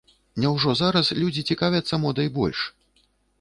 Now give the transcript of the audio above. Няўжо зараз людзі цікавяцца модай больш?